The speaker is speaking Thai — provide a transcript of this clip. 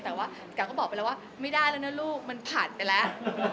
แต่ว่ากาก็บอกไปแล้วว่าไม่ได้แล้วนะลูกมันผ่านไปแล้ว